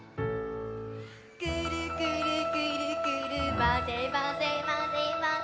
「くるくるくるくるまぜまぜまぜまぜ」